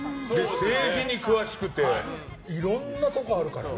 政治に詳しくていろんなとこあるからね。